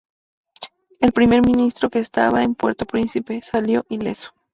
El primer ministro, que estaba en Puerto Príncipe, salió ileso.